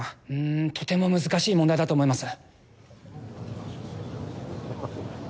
んとても難しい問題だと思います。